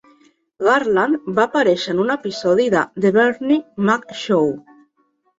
Garland va aparèixer en un episodi de The Bernie Mac Show.